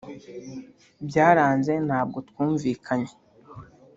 byaranze ntabwo twumvikanye